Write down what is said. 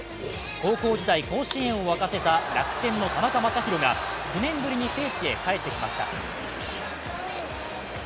高校時代、甲子園を湧かせた楽天の田中将大が９年ぶりに聖地に帰ってきました。